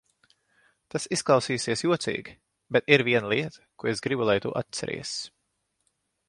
Tas izklausīsies jocīgi, bet ir viena lieta, ko es gribu, lai tu atceries.